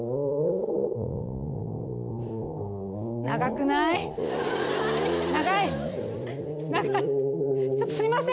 長くない？